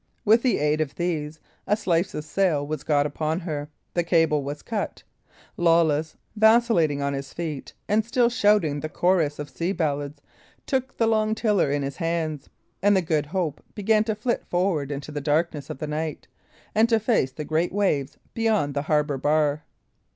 With the aid of these, a slice of sail was got upon her. The cable was cut. Lawless, vacillating on his feet, and still shouting the chorus of sea ballads, took the long tiller in his hands: and the Good Hope began to flit forward into the darkness of the night, and to face the great waves beyond the harbour bar.